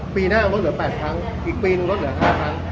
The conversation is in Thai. ปีหน้าลดเหลือ๘ครั้งอีกปีนึงลดเหลือ๕ครั้ง